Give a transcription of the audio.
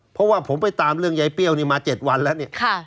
เพราะว่าผมไปตามเรื่องยายเปรี้ยวนี่มา๗วันแล้วเนี่ย